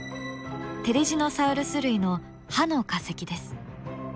テリジノサウルス類の歯の化石です。